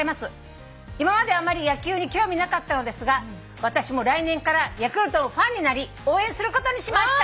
「今まではあまり野球に興味なかったのですが私も来年からヤクルトのファンになり応援することにしました」